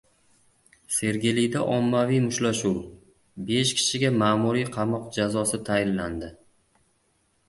Sergelida ommaviy mushtlashuv. Besh kishiga ma’muriy qamoq jazosi tayinlandi